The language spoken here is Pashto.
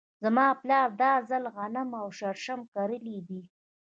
زما پلار دا ځل غنم او شړشم کرلي دي .